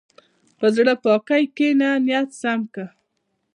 په زړه پاکۍ کښېنه، نیت سم کړه.